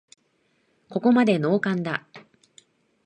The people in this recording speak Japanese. ここまでノーカンだ